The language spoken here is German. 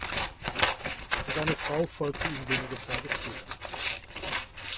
Seine Frau folgte ihm wenige Tage später.